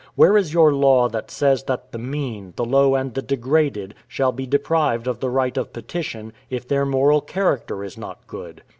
Where is your law that says that the mean, the low, and the degraded, shall be deprived of the right of petition, if their moral character is not good?